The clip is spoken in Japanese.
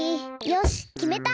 よしきめた！